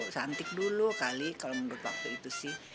cantik dulu kali kalau menurut waktu itu sih